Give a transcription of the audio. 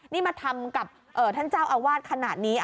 นี่มาทำกับท่านเจ้าอาวาสขนาดนี้